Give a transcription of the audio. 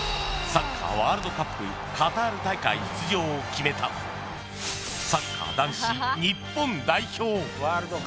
サッカーワールドカップカタール大会出場を決めたサッカー男子日本代表